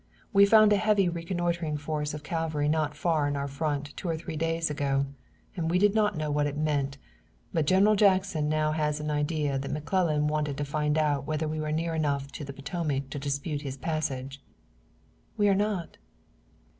We found a heavy reconnoitering force of cavalry not far in our front two or three days ago, and we did not know what it meant, but General Jackson now has an idea that McClellan wanted to find out whether we were near enough to the Potomac to dispute his passage." "We are not."